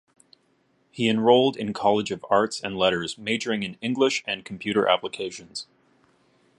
He enrolled in College of Arts and Letters, majoring in English and computer applications.